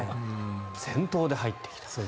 先頭で入ってきた。